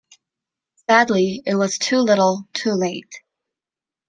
Sadly it was too little, too late.